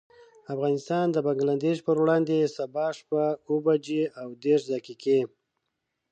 افغانستان د بنګلدېش پر وړاندې، سبا شپه اوه بجې او دېرش دقيقې.